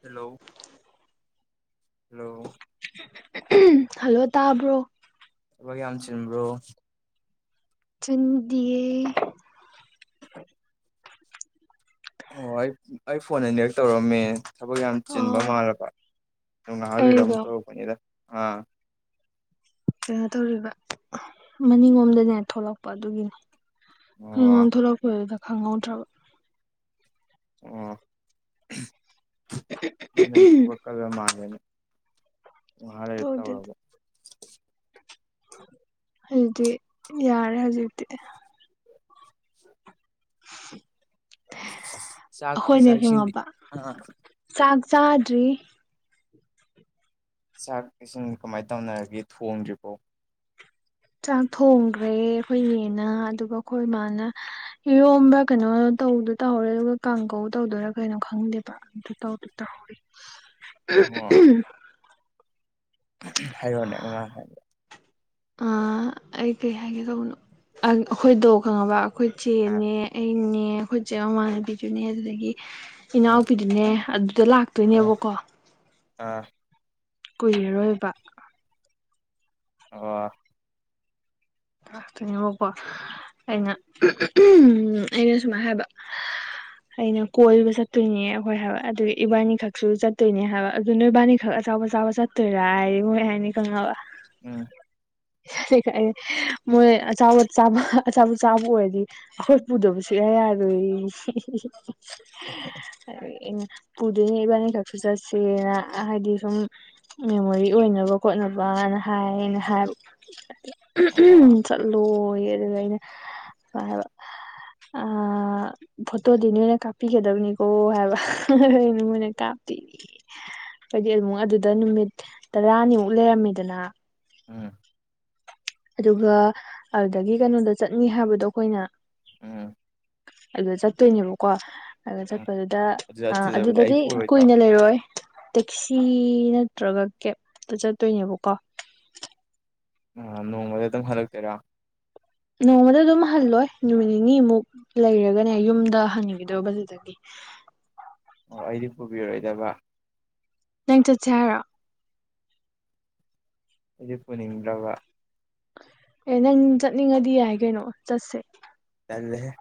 hello hello hello ꯇꯥꯕ꯭ꯔꯣ ꯊꯕꯛ ꯌꯥꯝ ꯆꯤꯟꯕ꯭ꯔꯣ ꯆꯥꯅꯤꯡꯗꯤꯌꯦ ꯑꯣ ꯑꯩ ꯑꯩ ꯐꯣꯟ ꯑꯅꯤꯔꯛ ꯇꯧꯔꯛꯑꯝꯃꯦ ꯊꯕꯛ ꯌꯥꯝ ꯆꯤꯟꯕ ꯑꯣ ꯃꯥꯜꯂꯕ ꯑꯗꯨ ꯉꯥꯏꯍꯥꯛ ꯂꯩꯔ ꯑꯃꯨꯛ ꯑꯩꯗꯣ ꯇꯧꯔꯛꯄꯅꯤꯗ ꯑꯥ ꯀꯩꯅꯣ ꯇꯧꯔꯤꯕ ꯃꯅꯤꯡꯂꯣꯝꯗꯅꯦ ꯊꯣꯛꯂꯛꯄ ꯑꯗꯨꯒꯤꯅꯤ ꯎꯝ ꯑꯣ ꯑꯣꯟꯊꯣꯛꯂꯛꯄꯗꯨꯗ ꯈꯪꯍꯧꯗ꯭ꯔꯕ ꯑꯣ ꯑꯗꯨꯗꯤ ꯅꯪ ꯊꯕꯛꯀꯜꯂ ꯃꯥꯜꯂꯦꯅꯦ ꯉꯥꯏꯍꯥꯛ ꯂꯩꯔ ꯇꯧꯗꯦꯗ ꯇꯧꯔꯒꯦ ꯑꯗꯨꯗꯤ ꯌꯥꯔꯦ ꯍꯧꯖꯤꯛꯇꯤ ꯍ [unintelligible] ꯎ [unintelligible] ꯆꯥꯛꯇꯤ ꯆꯥꯛ ꯏꯁꯤꯡꯗꯤ ꯈꯪꯉꯕ ꯑ ꯆꯥꯛ ꯆꯥꯗ꯭ꯔꯤ ꯆꯥꯛ ꯏꯁꯤꯡ ꯀꯃꯥꯏꯅ ꯇꯧꯅꯔꯒꯦ ꯊꯣꯡꯗ꯭ꯔꯤꯕꯣ ꯆꯥꯛ ꯊꯣꯡꯈ꯭ꯔꯦ ꯑꯩꯈꯣꯏ ꯅꯦꯅ ꯑꯗꯨꯒ ꯑꯩꯈꯣꯏ ꯃꯥꯅ ꯏꯔꯣꯝꯕ ꯀꯩꯅꯣ ꯇꯧꯗꯣꯏ ꯇꯧꯍꯧꯔꯦ ꯑꯗꯨꯒ ꯀꯥꯡꯍꯧ ꯇꯧꯗꯣꯏꯔꯥ ꯀꯩꯅꯣ ꯈꯪꯗꯦꯕ ꯑꯗꯨ ꯇꯧꯗꯣꯏ ꯇꯧꯍꯧꯔꯤ ꯍꯥꯏꯔꯣꯅꯦ ꯃꯃꯥꯡ ꯍꯥꯏꯕꯗꯣ ꯑ ꯑꯩ ꯀꯩ ꯍꯥꯏꯒꯦ ꯇꯧꯕꯅꯣ ꯑꯩꯈꯣꯏꯗꯣ ꯈꯪꯉꯕꯥ ꯑꯩꯈꯣꯏ ꯑꯥ ꯆꯦꯅꯦ ꯑꯩꯅꯦ ꯑꯩꯈꯣꯏꯆꯦ ꯃꯃꯥꯟꯅꯕꯤꯗꯨꯅꯦ ꯑꯗꯨꯗꯒꯤ ꯑꯥ ꯏꯅꯥꯎꯄꯤꯗꯨꯅꯦ ꯑꯗꯨꯗ ꯑꯥ ꯂꯥꯛꯇꯣꯏꯅꯦꯕꯀꯣ ꯑꯥ ꯀꯨꯏꯔꯔꯣꯏꯕꯥ ꯑꯣ ꯂꯥꯛꯇꯣꯏꯅꯦꯕꯥꯀꯣ ꯑꯩꯅ ꯑꯩꯅ ꯁꯨꯃꯥꯏꯅ ꯍꯥꯏꯕ ꯑꯩꯅ ꯀꯣꯏꯕ ꯆꯠꯇꯣꯏꯅꯦ ꯍꯣꯏ ꯍꯥꯏꯕ ꯑꯗꯨ ꯏꯕꯥꯅꯤ ꯈꯛꯁꯨ ꯆꯠꯇꯣꯏꯅꯦ ꯍꯥꯏꯕ ꯑꯗꯨ ꯅꯣꯏꯕꯥꯅꯤ ꯈꯛ ꯑꯆꯥꯄꯣꯠ ꯆꯥꯕ ꯆꯠꯇꯣꯏꯔꯥꯌꯦ ꯃꯣꯏ ꯍꯥꯏꯅꯤ ꯈꯪꯉꯕꯥ ꯎꯝ ꯑꯗꯨꯒ ꯑꯩꯅ ꯃꯣꯏ ꯑꯆꯥꯄꯣꯠ ꯆꯥꯕ ꯑꯆꯥꯄꯣꯠ ꯆꯥꯕ ꯑꯣꯏꯔꯗꯤ ꯑꯩꯈꯣꯏ ꯄꯨꯗꯕ ꯁꯨꯡꯌꯥ ꯌꯥꯔꯣꯏꯌꯦ ꯑꯗꯨꯗꯒꯤ ꯑꯩꯅ ꯄꯨꯗꯣꯏꯅꯦ ꯏꯕꯥꯅꯤꯈꯛꯁꯨ ꯆꯠꯁꯦꯅ ꯍꯥꯏꯗꯤ ꯁꯨꯝ ꯃꯦꯃꯣꯔꯤ ꯑꯣꯏꯅꯕ ꯈꯣꯠꯅꯕꯅ ꯍꯥꯏꯌꯦꯅ ꯍꯥꯏꯕ ꯑꯣ ꯆꯠꯂꯣꯌꯦ ꯑꯗꯨꯒ ꯑꯩꯅ ꯁꯨꯃꯥꯏꯅ ꯍꯥꯏꯕ ꯑ ꯐꯣꯇꯣꯗꯤ ꯅꯣꯏꯅ ꯀꯥꯞꯄꯤꯒꯗꯕꯅꯤꯀꯣ ꯍꯥꯏꯕ ꯃꯣꯏꯅ ꯀꯥꯞꯇꯣꯏꯅꯤ ꯍꯥꯏꯗꯤ ꯑꯃꯨꯛ ꯑꯗꯨꯗ ꯅꯨꯃꯤꯠ ꯇꯔꯥꯅꯤꯃꯨꯛ ꯂꯩꯔꯝꯃꯤꯗꯅꯥ ꯎꯝ ꯑꯗꯨꯒ ꯑꯗꯨꯗꯒꯤ ꯀꯩꯅꯣꯗ ꯆꯠꯅꯤ ꯍꯥꯏꯕꯗꯣ ꯑꯩꯈꯣꯏꯅ ꯎꯝ ꯑꯗꯨꯗ ꯆꯠꯇꯣꯏꯅꯦꯕꯥꯀꯣ ꯑꯗꯨ ꯎꯝ ꯆꯠꯄꯗꯨꯗ ꯑꯗꯨ ꯑ ꯑꯗꯨꯗꯕꯨꯗꯤ ꯑꯩ ꯑꯗꯨꯗꯗꯤ ꯄꯨꯔꯣꯏꯗ꯭ꯔꯣ ꯀꯨꯏꯅ ꯂꯩꯔꯣꯏ ꯇꯦꯛꯁꯤ ꯅꯠꯇ꯭ꯔꯒ ꯀꯦꯞꯇ ꯆꯠꯇꯣꯏꯅꯦꯕꯥꯀꯣ ꯑ ꯅꯣꯡꯃꯗ ꯑꯗꯨꯝ ꯍꯜꯂꯛꯇꯣꯏꯔꯥ ꯅꯣꯡꯃꯗ ꯑꯗꯨꯝ ꯍꯜꯂꯣꯏ ꯅꯨꯃꯤꯠ ꯅꯤꯅꯤꯃꯨꯛ ꯂꯩꯔꯒꯅꯦ ꯌꯨꯝꯗ ꯍꯟꯒꯤꯗꯣꯏꯕ ꯑꯗꯨꯗꯒꯤ ꯑꯣ ꯑꯩꯗꯤ ꯄꯨꯕꯤꯔꯣꯏꯗꯕ ꯅꯪ ꯆꯠꯁꯦ ꯍꯥꯏꯔꯣ ꯑꯩꯗꯤ ꯄꯨꯅꯤꯡꯗ꯭ꯔꯕ ꯑꯦ ꯅꯪ ꯆꯠꯅꯤꯡꯉꯗꯤ ꯌꯥꯏ ꯀꯩꯅꯣ ꯆꯠꯁꯦ ꯇꯟꯂꯦꯍꯦ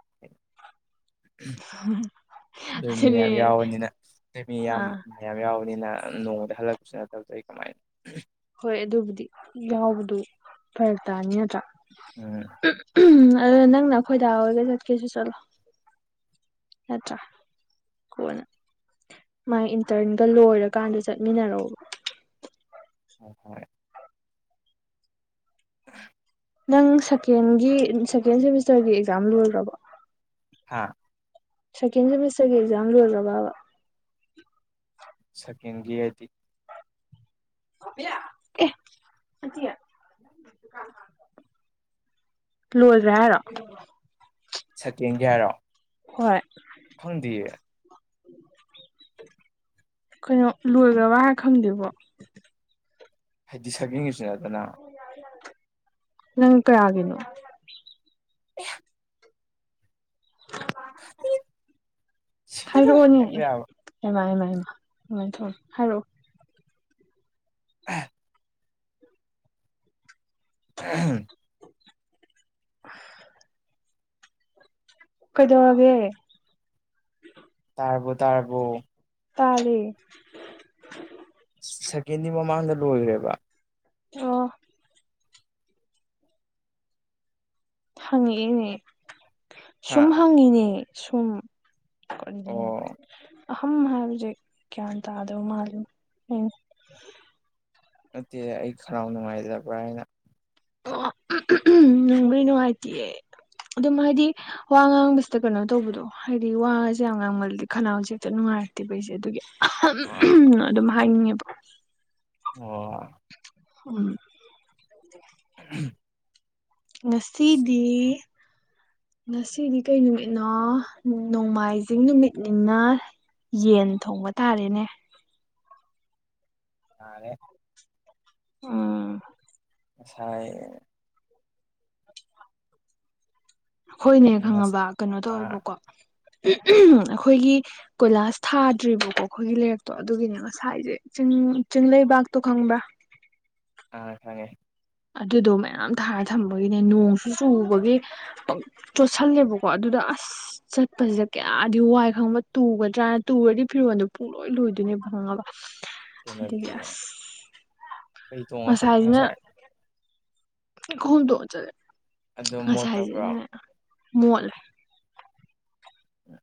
ꯅꯣꯏꯃꯤ ꯃꯌꯥꯝ ꯑꯗꯨꯗꯤ ꯌꯥꯎꯕꯅꯤꯅ ꯅꯣꯏꯃꯤ ꯌꯥꯝ ꯑꯥ ꯃꯌꯥꯝ ꯌꯥꯎꯕꯅꯤꯅ ꯅꯣꯡꯃꯗ ꯍꯜꯂꯛꯄꯁꯨ ꯅꯠꯇꯕꯗꯨ ꯑꯩ ꯀꯃꯥꯏꯅ ꯍꯣꯏ ꯑꯗꯨꯕꯨꯗꯤ ꯌꯥꯎꯕꯗꯨ ꯐꯔꯛ ꯇꯥꯅꯤ ꯅꯠꯇ꯭ꯔꯥ ꯎꯝ ꯑꯗꯨ ꯅꯪꯅ ꯈꯣꯏꯗꯥꯎꯔꯒ ꯆꯠꯀꯦꯁꯨ ꯆꯠꯂꯣ ꯅꯠꯇ꯭ꯔꯥ ꯀꯣꯟꯅ ꯃꯥꯥꯏ ꯏꯟꯇꯔꯟꯒ ꯂꯣꯏꯔꯀꯥꯟꯗ ꯆꯠꯃꯤꯟꯅꯔꯕ ꯎ ꯍꯣꯏ [unintelligible] ꯅꯪ ꯁꯦꯀꯦꯟꯒꯤ ꯁꯦꯀꯦꯟ ꯁꯦꯃꯤꯁꯇꯔꯒꯤ ꯑꯦꯛꯖꯥꯝ ꯂꯣꯏꯕꯣ ꯍꯥꯥ ꯁꯦꯀꯦꯟ ꯁꯦꯃꯤꯁꯇꯔꯒꯤ ꯑꯦꯛꯖꯥꯝ ꯂꯣꯏꯔꯣ ꯕꯥ ꯁꯀꯦꯟꯒꯤ ꯍꯥꯏꯗꯤ ꯑꯦ ꯑꯗꯨꯠꯇ ꯂꯣꯏꯗ꯭ꯔꯦ ꯍꯥꯏꯔꯣ ꯁꯀꯦꯟꯒꯤ ꯍꯥꯏꯔꯣꯑꯣ ꯍꯣꯏ ꯀꯩꯅꯣ ꯂꯣꯏꯈ꯭ꯔꯕ ꯍꯥꯏꯔ ꯈꯪꯗꯦꯕꯣ ꯍꯥꯏꯗꯤ ꯁꯕꯡꯒꯤꯁꯨ ꯅꯠꯇꯅ ꯅꯪ ꯀꯩꯒꯦꯅꯤ ꯑꯌꯥ ꯁꯤꯔꯔꯣꯏ ꯍꯥꯏꯔꯛꯑꯣꯅꯦ ꯍꯥꯏꯕ ꯌꯥꯕ ꯑꯦꯃꯑꯃꯃ ꯑꯗꯨꯃꯥꯏꯅ ꯊꯧ ꯍꯥꯏꯔꯛꯑꯣ [unintelligible] [unintelligible] [unintelligible] ꯀꯩꯗꯧꯔꯥꯒꯦ ꯇꯔꯕꯣ ꯇꯔꯕꯣ ꯇꯥꯔꯦ ꯁꯦꯀꯦꯟꯗꯤ ꯃꯃꯥꯡꯗ ꯂꯣꯏꯈ꯭ꯔꯦꯕ ꯑꯣ ꯍꯪꯉꯛꯏꯅꯦ ꯁꯨꯝ ꯍꯥ ꯍꯪꯉꯤꯅꯦ ꯁꯨꯝ ꯑꯣ [unintelligible] ꯑꯍ ꯍꯥꯏꯕꯁꯦ ꯒꯌ꯭ꯥꯟ ꯇꯥꯗꯕ ꯃꯥꯜꯂꯦ ꯅꯠꯇꯦ ꯑꯩ ꯍꯔꯥꯎ ꯅꯨꯡꯉꯥꯏꯖꯕ꯭ꯔꯥ ꯍꯥꯏꯅ ꯑꯣ ꯀꯔꯤ ꯅꯨꯡꯉꯥꯏꯇꯦ ꯑꯗꯨꯝ ꯍꯥꯏꯗꯤ ꯋꯥ ꯉꯥꯡꯕꯁꯤꯗ ꯀꯩꯅꯣ ꯇꯧꯕꯗꯣ ꯍꯥꯏꯗꯤ ꯋꯥꯒꯁꯦ ꯌꯥꯝ ꯉꯥꯡꯃꯜꯗꯤ ꯈꯅꯥꯎꯁ ꯍꯦꯛꯇ ꯅꯨꯡꯉꯥꯏꯔꯛꯇꯦꯕ ꯑꯩꯁꯦ ꯑꯗꯨꯒꯤ ꯑꯥ ꯑꯗꯨꯝ ꯍꯥꯏꯅꯤꯡꯉꯦꯕ ꯑꯣ [unintelligible] ꯎꯝ ꯉꯁꯤꯗꯤ ꯉꯁꯤꯗꯤ ꯀꯩ ꯅꯨꯃꯤꯠꯅꯣ ꯅꯣꯡꯃꯥꯏꯖꯤꯡ ꯅꯨꯃꯤꯠꯅꯤꯅ ꯌꯦꯟ ꯊꯣꯡꯕ ꯇꯥꯔꯦꯅꯦ ꯑꯦ ꯑꯥ ꯉꯁꯥꯏ ꯑꯩꯈꯣꯏꯅꯦ ꯈꯪꯉꯕ ꯀꯩꯅꯣ ꯑꯥ ꯇꯧꯋꯦꯕꯀꯣ ꯑꯩꯈꯣꯏꯒꯤ ꯀꯣꯏꯂꯥꯁ ꯊꯥꯗ꯭ꯔꯤꯕꯀꯣ ꯑꯩꯈꯣꯏꯒꯤ ꯂꯩꯔꯛꯇꯣ ꯑꯗꯨꯒꯤꯅꯦ ꯉꯁꯥꯏꯁꯦ ꯆꯤꯡ ꯆꯤꯡꯡꯂꯩꯕꯥꯛꯇꯣ ꯈꯪꯕ꯭ꯔꯥ ꯑꯥ ꯍꯦ ꯑꯗꯨꯗꯣ ꯃꯌꯥꯝ ꯊꯥꯏꯔ ꯊꯝꯕꯒꯤꯅꯦ ꯅꯣꯡꯁꯨ ꯆꯨꯕꯒꯤ ꯄ ꯆꯣꯠꯁꯜꯂꯦꯕꯀꯣ ꯑꯗꯨꯗ ꯑꯁ ꯆ ꯆꯠꯄꯁꯤꯗ ꯀꯌꯥꯗꯤ ꯋꯥꯏ ꯈꯪꯕ꯭ꯔꯥ ꯇꯨꯒꯗ꯭ꯔꯥꯅ ꯇꯨꯔꯗꯤ ꯐꯤꯔꯣꯟꯜꯗꯣ ꯄꯨꯨꯡꯂꯣꯏ ꯂꯣꯏꯗꯣꯏꯅꯦꯕ ꯈꯪꯉꯕ ꯑꯗꯒꯤ ꯀꯦꯝꯅꯠꯇꯤꯌꯦ ꯑꯁ ꯀꯩ ꯇꯣꯡꯉ ꯆꯠꯀꯦ ꯉꯁꯥꯏ ꯑꯩ ꯈꯨꯉꯨꯞ ꯇꯣꯡꯉ ꯆꯠꯂꯦ ꯑꯗꯨ ꯃꯣꯠꯇꯕ꯭ꯔꯣ ꯉꯁꯥꯏꯖꯤꯅꯅꯦ ꯃꯣꯠꯂꯦ ꯎꯝ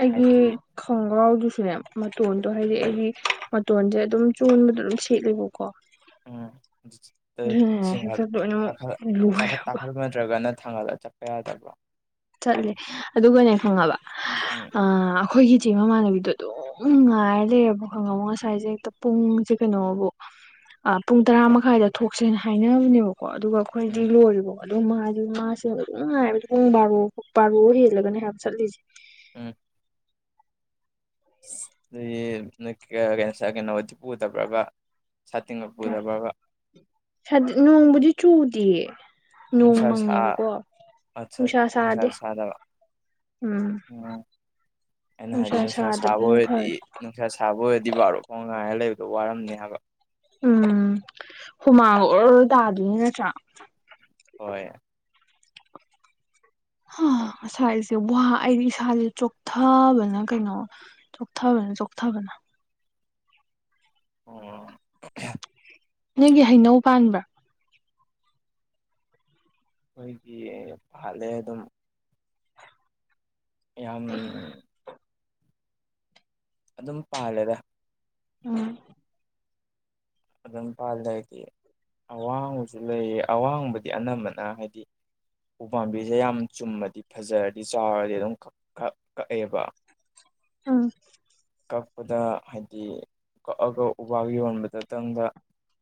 ꯑꯩꯒꯤ ꯍꯥꯏꯗꯤ ꯈꯣꯡꯒ꯭ꯔꯥꯎꯗꯨꯁꯨꯅꯦ ꯃꯇꯣꯟꯗꯣ ꯍꯥꯏꯗꯤ ꯑꯩꯒꯤ ꯃꯇꯣꯟꯁꯦ ꯑꯗꯨꯝ ꯆꯣꯟꯕꯗꯨ ꯑꯗꯨꯝ ꯁꯦꯠꯂꯦꯕꯀꯣ ꯎꯝ ꯑꯗꯨ ꯑꯗꯨꯅꯅꯦ ꯍꯦꯛꯇ ꯂꯣꯏꯅꯃꯛ ꯂꯣꯏꯔꯕ [unintelligible] ꯅꯠꯇ꯭ꯔꯒꯅ ꯊꯥꯡꯒꯠꯂꯒ ꯆꯠꯄ ꯌꯥꯗꯕ꯭ꯔꯣ ꯆꯠꯂꯦ ꯑꯗꯨꯒꯅꯦ ꯈꯪꯉꯕ ꯎꯝ ꯑ ꯑꯩꯈꯣꯏꯒꯤ ꯏꯆꯦ ꯃꯃꯥꯟꯅꯕꯤꯗꯣ ꯑꯗꯨꯝ ꯑꯗꯨꯝ ꯉꯥꯏꯔ ꯂꯩꯔꯦꯕ ꯈꯪꯉꯕ ꯉꯁꯥꯏꯁꯦ ꯍꯦꯛꯇ ꯄꯨꯡꯁꯦ ꯀꯩꯅꯣꯕꯨ ꯑꯥ ꯄꯨꯡ ꯇꯔꯥ ꯃꯈꯥꯏꯗ ꯊꯣꯛꯁꯦꯅ ꯍꯥꯏꯅꯕꯅꯦꯕꯀꯣ ꯑꯗꯨꯒ ꯑꯩꯈꯣꯏꯗꯤ ꯎꯝ ꯂꯣꯏꯔꯦꯕꯣ ꯑꯗꯨꯒ ꯃꯥꯁꯤ ꯃꯥꯁꯦ ꯑꯗꯨꯝ ꯉꯥꯏꯕꯗꯤ ꯄꯨꯡ ꯕꯥꯔꯣ ꯄꯥꯔꯣ ꯍꯦꯜꯂꯒꯅꯦ ꯍꯥꯏꯕ ꯆꯠꯂꯤꯁꯦ ꯎꯝ ꯑꯗꯨꯗꯤ ꯅꯣꯏ ꯀꯀꯩ ꯉꯁꯥꯏ ꯀꯩꯅꯣꯗꯤ ꯄꯨꯗꯕ꯭ꯔꯥꯕ ꯁꯥꯇꯤꯟꯒ ꯄꯨꯗꯕ꯭ꯔꯥꯕ ꯁꯥꯇꯤꯟ ꯅꯣꯡꯕꯨꯗꯤ ꯆꯨꯗꯤꯌꯦ ꯅꯣꯡ ꯅꯨꯡꯁꯥ ꯁꯥ ꯃꯪꯉꯦꯕꯀꯣ ꯑꯠꯆꯥ ꯅꯨꯡꯁꯥ ꯁꯥꯗꯦ ꯁꯥꯗꯕ ꯎꯝ ꯑꯩꯅ ꯍꯥꯏꯗꯤ ꯅꯨꯡꯁꯥ ꯁꯥꯥꯕ ꯁꯥꯗꯕꯗꯨꯅ ꯑꯣꯏꯔꯗꯤ ꯐꯔꯦ ꯅꯪ__ ꯅꯨꯡꯁꯥ ꯁꯥꯕ ꯑꯣꯏꯔꯗꯤ ꯕꯥꯔꯣ ꯐꯧ ꯉꯥꯏꯔ ꯂꯩꯕꯗꯣ ꯋꯥꯔꯝꯅꯤ ꯍꯥꯏꯕ ꯎꯝ ꯍꯨꯃꯥꯡꯒ ꯑꯣꯔꯣ ꯇꯥꯗꯣꯏꯅꯤ ꯅꯠꯇ꯭ꯔꯥ ꯍꯣꯏ ꯍꯥ ꯉꯁꯥꯏꯁꯦ ꯋꯥ ꯑꯩꯗꯤ ꯏꯁꯥꯁꯦ ꯆꯣꯛꯊꯕꯅ ꯀꯩꯅꯣ ꯆꯣꯛꯊꯕꯅ ꯆꯣꯛꯊꯕꯅ ꯑꯣ ꯅꯪꯒꯤ ꯍꯩꯅꯧ ꯄꯥꯟꯕ꯭ꯔꯥ ꯑꯩꯈꯣꯏꯒꯤ ꯄꯥꯍꯠꯂꯦ ꯑꯗꯨꯝ ꯌꯥꯝ ꯑꯗꯨꯝ ꯄꯥꯜꯂꯦꯗ ꯑꯣ ꯑꯗꯨꯝ ꯄꯥꯜꯂꯦ ꯍꯥꯏꯗꯤ ꯑꯋꯥꯡꯕꯁꯨ ꯂꯩꯌꯦ ꯑꯋꯥꯡꯕꯗꯤ ꯑꯅꯝꯕꯅ ꯍꯥꯏꯗꯤ ꯎꯄꯥꯝꯕꯤꯁꯦ ꯌꯥꯝ ꯆꯨꯝꯃꯗꯤ ꯐꯖꯔꯗꯤ ꯆꯥꯎꯔꯗꯤ ꯑꯗꯨꯝ ꯀꯛ ꯀꯛ ꯀꯛꯑꯦꯕ ꯎꯝ ꯀꯛꯄꯗ ꯍꯥꯏꯗꯤ ꯀꯛꯑꯒ ꯎꯕꯥꯛ ꯌꯣꯟꯕꯗꯇꯪꯗ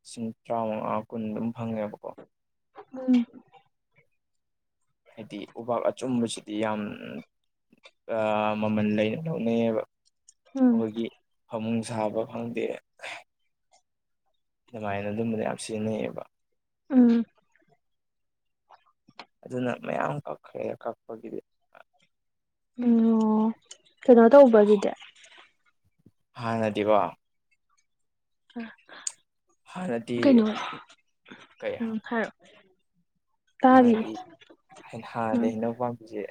ꯂꯤꯁꯤꯡ ꯇꯔꯥꯃꯉꯥ ꯀꯨꯟ ꯑꯗꯨꯝ ꯐꯪꯉꯦꯕꯀꯣ ꯎꯝ ꯍꯥꯏꯗꯤ ꯎꯕꯥꯛ ꯑꯆꯨꯝꯕꯁꯤꯗꯤ ꯌꯥꯝ ꯎꯝ ꯑ ꯃꯃꯜ ꯂꯩꯅ ꯂꯧꯅꯩꯌꯦꯕ ꯎꯝ ꯑꯩꯈꯣꯏꯒꯤ ꯐꯃꯨꯡ ꯁꯥꯕ ꯐꯪꯗꯦ ꯑꯗꯨꯃꯥꯏꯅ ꯑꯗꯨꯝꯕꯗ ꯌꯥꯝ ꯁꯤꯖꯤꯟꯅꯩꯌꯦꯕ ꯎꯝ ꯑꯗꯨꯅ ꯃꯌꯥꯝ ꯀꯛꯈ꯭ꯔꯦ ꯀꯛꯄꯒꯤꯗꯤ ꯎꯝꯉꯣ ꯀꯩꯅꯣ ꯇꯧꯕ꯭ꯔꯣ ꯑꯗꯨꯗꯤ ꯍꯥꯟꯅꯗꯤꯀꯣ ꯑ ꯍꯥꯟꯅꯗꯤ ꯍ ꯀꯩꯅꯣ ꯀꯩ ꯎꯝ ꯍꯥꯏꯔꯛꯑꯣ ꯇꯥꯔꯤꯌꯦ ꯍꯥꯟꯅꯗꯤ ꯍꯩ ꯎꯝ ꯍꯥꯟꯅꯗꯤ ꯍꯩꯅꯧ ꯄꯥꯝꯕꯤꯖꯦ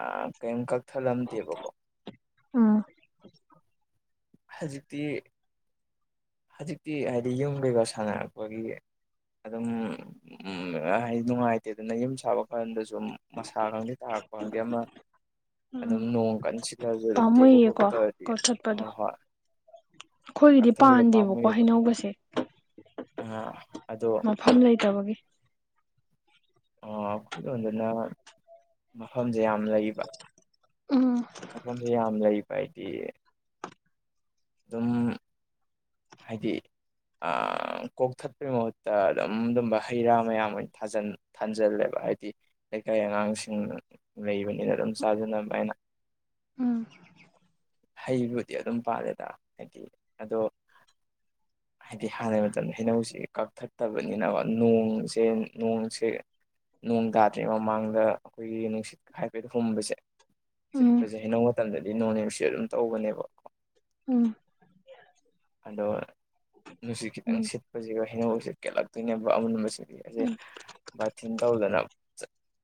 ꯑ ꯀꯦꯝ ꯀꯛꯊꯠꯂꯝꯗꯦꯕꯀꯣ ꯑꯥ ꯍꯧꯖꯤꯛꯇꯤ ꯍꯖꯤꯛꯇꯤ ꯍꯥꯏꯗꯤ ꯌꯨꯝ ꯀꯩꯀꯥ ꯁꯥꯟꯅꯔꯛꯄꯒꯤ ꯑꯗꯨꯝ ꯎꯝ ꯍꯥꯏꯗꯤ ꯅꯨꯡꯉꯥꯏꯇꯦꯗꯅ ꯌꯨꯝ ꯁꯥꯕ ꯀꯥꯟꯗꯁꯨ ꯗꯨꯝ ꯃꯁꯥ ꯈꯪꯗꯦ ꯇꯥꯔꯛꯄ ꯈꯪꯗꯦ ꯑꯃ ꯑꯗꯨꯝ ꯎꯝ ꯅꯣꯡ ꯀꯟꯅ ꯁꯤꯜꯂꯔꯁꯨ ꯑꯗꯨꯝ ꯇꯦꯛꯄ ꯈꯣꯠꯄ ꯄꯥꯝꯃꯨꯏꯌꯦꯀꯣ ꯇꯧꯔꯗꯤ ꯀꯛꯊꯠꯄꯗꯣ ꯍꯣꯏ ꯍꯣꯏ ꯑꯩꯈꯣꯏꯒꯤꯗꯤ ꯀꯛꯊꯕꯗ ꯄꯥꯟꯗꯦꯕꯀꯣ ꯄꯥꯝꯃꯨꯏꯕ ꯍꯩꯅꯧꯒꯁꯦ ꯑꯗꯣ ꯐꯝ ꯂꯩꯇꯕꯒꯤ ꯑꯩꯈꯣꯏ ꯂꯣꯟꯗꯅ ꯃꯐꯝꯁꯦ ꯌꯥꯝ ꯂꯩꯕ ꯑ ꯃꯐꯝꯗ ꯌꯥꯝ ꯂꯩꯕ ꯍꯥꯏꯗꯤ ꯑꯗꯨꯝ ꯍꯥꯏꯗꯤ ꯀꯣꯛ ꯊꯠꯄꯩ ꯃꯍꯨꯠꯇ ꯑꯗꯨꯝ ꯑꯗꯨꯝꯕ ꯍꯩ ꯔꯥ ꯃꯌꯥꯝ ꯑꯣꯏꯅ ꯊꯥꯖꯤꯟ ꯊꯝꯖꯜꯂꯦꯕ ꯍꯥꯏꯗꯤ ꯂꯩꯀꯥꯏ ꯑꯉꯥꯡꯁꯤꯡ ꯂꯩꯕꯅꯤꯅ ꯑꯗꯨꯝ ꯆꯥꯖꯅꯕ ꯍꯥꯏꯅ ꯎꯝ ꯍꯩꯕꯨꯗꯤ ꯑꯗꯨꯝ ꯄꯥꯜꯂꯦꯗ ꯍꯥꯏꯗꯤ ꯑꯗꯣ ꯍꯥꯏꯗꯤ ꯍꯥꯟꯅ ꯃꯇꯝꯗ ꯍꯩꯅꯧꯁꯤ ꯀꯛꯊꯠꯇꯕꯅꯤꯅꯀ ꯅꯣꯡꯁꯦ ꯅꯣꯡꯁꯦ ꯅꯣꯡ ꯇꯥꯗ꯭ꯔꯤ ꯃꯃꯥꯡꯗ ꯑꯩꯈꯣꯏꯒꯤ ꯅꯨꯡꯁꯤꯠꯀ ꯍꯥꯏꯕꯗ ꯍꯨꯝꯕꯁꯦ ꯎꯝ ꯁꯤꯠꯄꯁꯦ ꯍꯩꯅꯧ ꯃꯇꯝꯗꯗꯤ ꯅꯣꯅꯦꯁꯤ ꯑꯗꯨꯝ ꯇꯧꯕꯅꯦꯕ ꯎꯝ ꯑꯗꯣ ꯅꯨꯡꯁꯤꯠ ꯎꯝ ꯈꯤꯇꯪ ꯁꯤꯠꯄꯁꯤꯒ ꯍꯩꯅꯧꯁꯤꯠ ꯀꯦꯜꯂꯛꯇꯣꯏꯅꯦꯕ ꯑꯃꯟꯕꯁꯤꯗꯤ ꯎꯝ ꯑꯩꯖꯦ ꯕꯥꯇꯤꯟ ꯇꯧꯗꯅ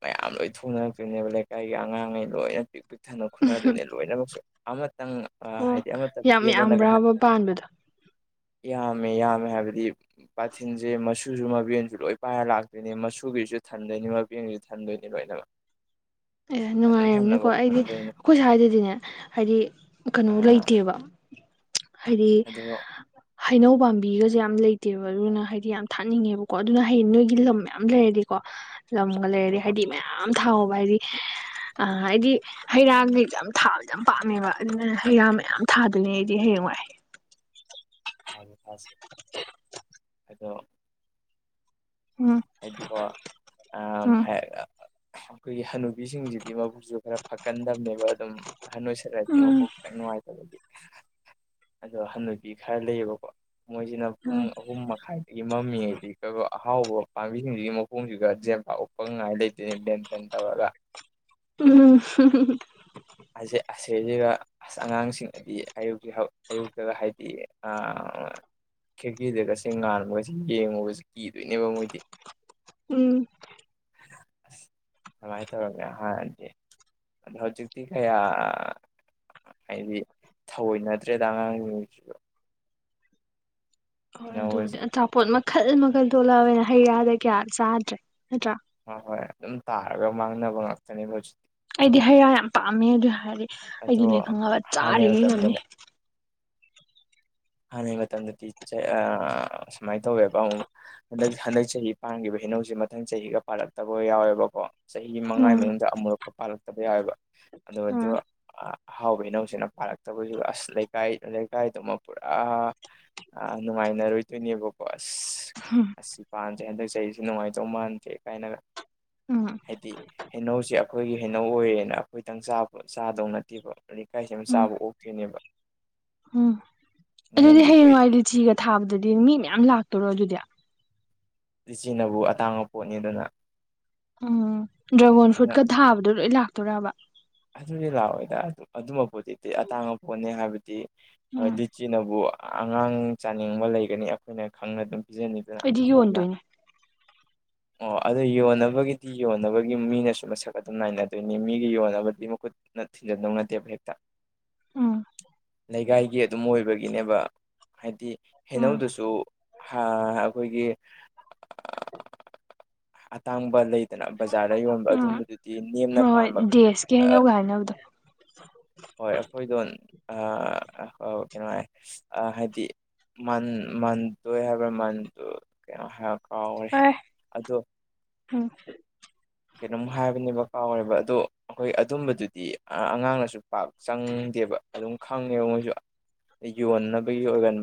ꯃꯌꯥꯝ ꯂꯣꯏ ꯊꯣꯛꯅꯔꯛꯇꯣꯏꯅꯦꯕ ꯂꯩꯀꯥꯏꯒꯤ ꯑꯉꯥꯡꯈꯩ ꯂꯣꯏꯅ ꯄꯤ ꯄꯤꯛꯊꯟꯅ ꯈꯨꯟꯅꯗꯨꯏꯅꯦ ꯂꯣꯏꯅꯃꯛꯁꯨ ꯑꯃꯇꯪ ꯑꯣ ꯍꯥꯏꯗꯤ ꯑꯃꯇ ꯌꯥꯝ ꯄꯦꯟꯗꯅꯒ ꯌꯥꯝꯕ꯭ꯔꯕ ꯄꯥꯟꯕꯗꯣ ꯌꯥꯝꯃꯦ ꯌꯥꯝꯃꯦ ꯍꯥꯏꯕꯗꯤ ꯄꯥꯊꯤꯟꯁꯦ ꯃꯆꯨꯁꯨ ꯃꯕꯦꯟꯁꯨ ꯂꯣꯏ ꯄꯥꯏꯔ ꯂꯥꯛꯇꯣꯏꯅꯤ ꯃꯆꯨꯒꯤꯁꯨ ꯊꯟꯗꯣꯏꯅꯤ ꯃꯕꯦꯟꯒꯤꯁꯨ ꯊꯟꯗꯣꯏꯅꯤ ꯂꯣꯏꯅꯃꯛ [inaudible] ꯑꯦ ꯊꯟ ꯅꯨꯡꯉꯥꯏꯔꯕꯅꯤꯀꯣ ꯊꯟꯅꯕ ꯑꯩꯗꯤ ꯈꯣꯟꯗꯣꯏꯅꯤ ꯑꯩꯈꯣꯏ ꯁ꯭ꯋꯥꯏꯗꯗꯤꯅꯦ ꯍꯥꯏꯗꯤ ꯀꯩꯅꯣ ꯑꯥ ꯂꯩꯇꯦꯕ ꯍꯥꯏꯗꯤ ꯑꯗꯣ ꯍꯩꯅꯧ ꯄꯥꯝꯕꯤꯒꯁꯨ ꯌꯥꯝ ꯂꯩꯇꯦꯕ ꯑꯗꯨꯅ ꯍꯥꯏꯗꯤ ꯌꯥꯝ ꯊꯥꯅꯤꯡꯉꯦꯕꯀꯣ ꯑꯗꯨꯅ ꯍ ꯅꯣꯏꯒꯤ ꯂꯝ ꯌꯥꯝꯌꯥꯝ ꯂꯩꯔꯗꯤꯀꯣ ꯂꯝꯒ ꯂꯩꯔꯗꯤ ꯑꯥ ꯍꯥꯏꯗꯤ ꯃꯌꯥꯝ ꯊꯥꯎꯍꯧꯕ ꯍꯥꯏꯗꯤ ꯑ ꯍꯥꯏꯗꯤ ꯍꯩꯔꯥꯗꯤ ꯌꯥꯝ ꯊꯥꯕ ꯌꯥꯝ ꯄꯥꯝꯃꯦꯕ ꯑꯗꯨꯅ ꯍꯩ ꯔꯥ ꯃꯌꯥꯝ ꯊꯥꯗꯨꯅꯦ ꯑꯩꯗꯤ ꯍꯌꯦꯡꯋꯥꯏ ꯊꯥꯅꯤ ꯊꯥꯁꯦ ꯑꯗꯣ ꯎꯝ ꯍꯥꯏꯗꯤꯀꯣ ꯑ ꯎꯝ ꯑꯩꯈꯣꯏꯒꯤ ꯍꯅꯨ ꯄꯥꯝꯕꯤꯁꯤꯡꯁꯤꯗꯤ ꯃꯕꯨꯛꯁꯨ ꯈꯔ ꯐꯛꯀꯟꯗꯕꯅꯦꯕ ꯑꯗꯨꯝ ꯑꯍꯟ ꯑꯣꯏꯁꯜꯂꯗꯤ ꯎꯝ ꯃꯄꯣꯛ ꯈꯤꯇꯪ ꯅꯨꯡꯉꯥꯏꯇꯕꯒꯤ ꯑꯗꯣ ꯍꯟꯟꯅꯨꯕꯤ ꯈꯔ ꯂꯩꯌꯦꯕꯀꯣ ꯃꯣꯏꯖꯤꯅ ꯄꯨꯡ ꯎꯝ ꯑꯍꯨꯝ ꯃꯈꯥꯏ ꯑꯩꯒꯤ ꯃꯝꯃꯤ ꯍꯥꯏꯗꯤ ꯀ ꯑꯍꯥꯎꯕ ꯄꯥꯝꯕꯤꯁꯤꯡꯁꯤꯒꯤ ꯃꯈꯣꯡꯁꯤꯒ ꯖꯦꯝꯕꯥ ꯎꯞꯄ ꯉꯥꯏ ꯂꯩꯇꯣꯏꯅꯤ ꯂꯦꯟꯇꯟ ꯇꯧꯔꯒ ꯎꯝ ꯁ ꯑꯁꯦꯁꯤꯒ ꯑꯁ ꯑꯉꯥꯡꯁꯤꯡꯗꯤ ꯑꯌꯨꯛꯁ ꯑꯌꯨꯛꯇꯒ ꯍꯥꯏꯗꯤ ꯈꯦꯀꯔꯤꯗꯒꯁꯦꯡ ꯉꯥꯟꯕꯒꯁ ꯌꯦꯡꯉꯨꯒꯕꯁꯤ ꯀꯤꯗꯣꯏꯅꯦꯕ ꯃꯣꯏꯗꯤ ꯎꯝ ꯃꯥꯏ ꯇꯔꯒꯦ ꯍꯥꯗꯤ ꯗ ꯍꯧꯖꯤꯛꯇꯤ ꯀꯌꯥ ꯍꯥꯏꯗꯤ ꯊꯑꯣꯏ ꯅꯠꯇ꯭ꯔꯦꯗ ꯑꯉꯥꯡꯁꯤꯡꯉꯩꯁꯤꯗ ꯍꯣꯏ ꯑꯗꯨꯕꯨꯗꯤ ꯍꯩꯅꯧꯒꯁꯦ ꯑꯆꯥꯄꯣꯠ ꯃꯈꯜ ꯃꯈꯜ ꯊꯣꯛꯂꯛꯑꯑꯣꯦꯅ ꯍꯩ ꯔꯥꯗ ꯀꯌꯥ ꯆꯥꯗ꯭ꯔꯦ ꯅꯠꯇ꯭ꯔꯥ ꯍꯣꯏ ꯍꯣꯏ ꯑꯗꯨꯝ ꯇꯥꯔꯒ ꯃꯥꯡꯅꯕ ꯉꯥꯛꯇꯅꯦꯕ ꯍꯧꯖꯤꯛꯇꯤ ꯑꯩꯗꯤ ꯍꯩ ꯔꯥ ꯌꯥꯝ ꯄꯥꯝꯃꯦ ꯑꯗꯨ ꯍꯥꯏꯔꯗꯤ ꯑꯗꯣ ꯑꯩꯗꯤ ꯂꯈꯪꯉꯕ ꯍꯥꯟꯅꯩ ꯆꯥꯔꯤꯈꯩ ꯃꯇꯝꯗꯅꯦ ꯉꯝꯃꯤ ꯍꯥꯟꯅꯒꯤ ꯃꯇꯝꯗꯗꯤ ꯁꯨꯃꯥꯏꯅ ꯇꯧꯋꯦꯕ ꯑꯃꯨꯛ ꯍꯟꯗꯛ ꯍꯟꯗꯛ ꯆꯍꯤ ꯄꯥꯟꯈꯤꯕ ꯍꯤꯩꯅꯧꯁꯦ ꯃꯊꯪ ꯆꯍꯤꯒ ꯄꯥꯜꯂꯛꯇꯕ ꯌꯥꯎꯋꯦꯕꯀꯣ ꯆꯍꯤ ꯃꯉꯥꯒꯤ ꯎꯝ ꯃꯅꯨꯡꯗ ꯑꯃꯨꯨꯔꯛꯀ ꯄꯥꯜꯂꯛꯄ ꯕ ꯌꯥꯎꯋꯦꯕ ꯑꯗꯨ ꯎꯝ ꯑꯍꯥꯎꯕ ꯏꯅꯧꯁꯤꯅ ꯄꯥꯜꯂꯛꯇꯕꯁꯨ ꯑꯁ ꯂꯩ ꯂꯩꯀꯥꯏ ꯂꯩꯀꯥꯏꯗꯨꯃ ꯄꯨꯔꯥ ꯅꯨꯡꯉꯥꯏꯅꯔꯣꯏꯗꯣꯏꯅꯦꯕꯀꯣ ꯑꯁ ꯎꯝ ꯑꯁꯤ ꯄꯥꯟꯗꯦ ꯍꯟꯗꯛ ꯆꯍꯤꯁꯨ ꯅꯨꯡꯉꯥꯏꯇꯧ ꯃꯥꯟꯗꯦ ꯀꯥꯏꯅꯒ ꯎꯝ ꯍꯥꯏꯗꯤ ꯍꯩꯅꯧꯁꯦ ꯑꯩꯈꯣꯏꯒꯤ ꯍꯩꯅꯧ ꯑꯣꯏꯔꯦꯅ ꯑꯩꯈꯣꯏꯗꯪ ꯆꯥꯕ ꯆꯥꯗꯧ ꯅꯠꯇꯦꯕ ꯂꯩꯀꯥꯏꯁ ꯑꯃ ꯎꯝ ꯆꯥꯕ ꯑꯣꯛꯇꯣꯏꯅꯦꯕ ꯎꯝ ꯑꯗꯨꯗꯤ ꯃꯔꯝꯗꯤ ꯂꯣꯏ ꯍꯌꯦꯡꯋꯥꯏ ꯂꯤꯆꯤꯒ ꯊꯥꯕꯗꯗꯤ ꯃꯤ ꯃꯌꯥꯝ ꯂꯥꯛꯇꯣꯔꯣ ꯑꯗꯨꯗꯤ ꯏꯆꯤꯅꯕꯨ ꯑꯇꯥꯡꯕ ꯄꯣꯠꯅꯤ ꯑꯗꯨꯅ ꯎꯝ ꯗ꯭ꯔꯥꯒꯣꯟ ꯐ꯭ꯔꯨꯠꯀ ꯊꯥꯕꯗꯣ ꯂꯣꯏ ꯂꯥꯛꯇꯣꯏꯕ ꯑꯗꯨꯗꯤ ꯂꯥꯛꯑꯣꯏꯗ ꯑꯗꯨꯝꯕꯄꯣꯠꯇ ꯑꯇꯥꯡꯕꯄꯣꯠꯅꯤ ꯍꯥꯏꯕꯗꯤ ꯎꯝ ꯍꯣꯏ ꯁꯤꯅꯕꯨ ꯑꯉꯥꯡ ꯆꯥꯅꯤꯡꯕ ꯂꯩꯒꯅꯤ ꯑꯩꯈꯣꯏꯅ ꯈꯪꯅ ꯑꯗꯨꯝ ꯄꯤꯖꯅꯤꯡꯉ ꯑꯩꯗꯤ ꯑꯩꯈꯣꯏꯅ ꯌꯣꯟꯗꯣꯏꯅꯦ ꯑꯣ ꯑꯗꯨ ꯌꯣꯟꯅꯕꯒꯤꯗꯤ ꯌꯣꯟꯅꯕꯒꯤ ꯃꯤꯅꯁꯨ ꯃꯁꯛ ꯑꯗꯨꯝ ꯅꯥꯏꯅꯗꯣꯏꯅꯤ ꯃꯤꯒꯤ ꯌꯣꯟꯅꯕ ꯑꯗꯨ ꯃꯈꯨꯠꯅ ꯊꯤꯟꯖꯟꯗꯧ ꯅꯠꯇꯦꯕ ꯍꯦꯛꯇ ꯎꯝ ꯂꯩꯀꯥꯏꯒꯤ ꯑꯗꯨꯝ ꯑꯣꯏꯕꯒꯤꯅꯦꯕ ꯍꯥꯏꯗꯤ ꯎꯝ ꯍꯩꯅꯧꯗꯨꯁꯨ ꯍꯥ ꯑꯩꯈꯣꯏꯒꯤ ꯑꯇꯥꯡꯕ ꯂꯩꯗꯅ ꯕꯖꯥꯔꯗ ꯌꯣꯟꯕ ꯎꯝ ꯑꯗꯨꯝꯕꯗꯨꯗꯤ ꯅꯦꯝꯅ ꯍꯣꯏ ꯍꯣꯏ ꯄꯥꯟꯕ ꯗꯦꯁꯀꯤ [unintelligible] ꯍꯣꯏ ꯑꯩꯈꯣꯏꯗꯣ ꯑ ꯑ ꯀꯩꯅꯣ ꯍꯥꯏ ꯍꯥꯏꯗꯤ ꯃꯥꯟ ꯃꯥꯟ ꯇꯣꯏ ꯍꯥꯏꯕ꯭ꯔ ꯃꯟꯗꯨ ꯀꯩꯅꯣ ꯍꯥꯏꯔ ꯀꯥꯎꯔꯦ ꯑꯦ ꯑꯗꯣ ꯎꯝ ꯀꯩꯅꯣꯝ ꯍꯥꯏꯕꯅꯦꯕ ꯀꯥꯎꯔꯦꯕ ꯑꯗꯣ ꯑꯩꯈꯣꯏ ꯑꯗꯨꯝꯕꯗꯨꯗꯤ ꯑꯉꯥꯡꯅꯁꯨ ꯄꯥꯛ ꯆꯪꯗꯦꯕ ꯑꯗꯨꯝ ꯈꯪꯉꯦꯕ ꯃꯣꯏꯁꯨ ꯑ ꯌꯣꯟꯅꯕꯒꯤ ꯑꯣꯏꯒꯟꯕꯅꯤ